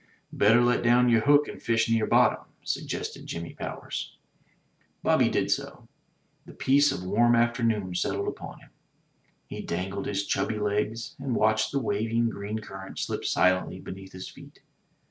"Better let down your hook and fish near bottom?" sug gested Jimmy Powers. Bobby did so. The peace of warm afternoon settled upon him. He dangled his chubby legs, and watched the waving green current slip silently beneath his feet.